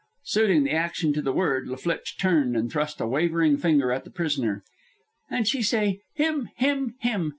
Suiting the action to the word, La Flitche turned and thrust a wavering finger at the prisoner. "And she say, 'Him, him, him.'